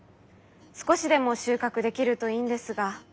少しでも収穫できるといいんですが。